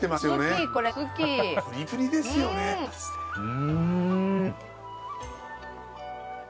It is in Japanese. うん！